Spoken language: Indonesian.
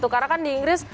karena kan di inggris